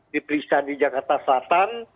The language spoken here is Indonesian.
diperiksa di jakarta selatan